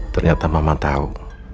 ternyata mama tahu